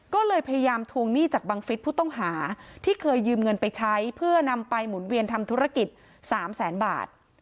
ก็เลยพยายามทวงหนี้จากบังฟิศผู้ต้องหาที่เคยยืมเงินไปใช้เพื่อนำไปหมุนเวียนทำธุรกิจ๓แสนบาท